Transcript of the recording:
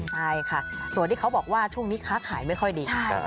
ใช่ค่ะส่วนที่เขาบอกว่าช่วงนี้ค้าขายไม่ค่อยดี